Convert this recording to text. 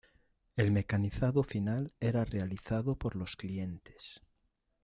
El mecanizado final era realizado por los clientes.